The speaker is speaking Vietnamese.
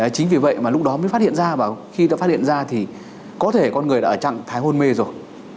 chính vì vậy mà lúc đó mới phát hiện ra và khi ta phát hiện ra thì có thể con người đã ở trạng thái hôn mê rồi